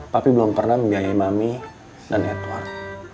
tapi belum pernah membiayai mami dan edward